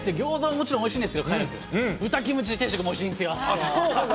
もちろんおいしいんですけど、豚キムチ定食もおいしいんですよ。